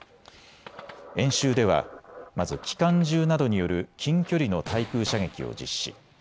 演習では、まず機関銃などによる近距離の対空射撃を実施。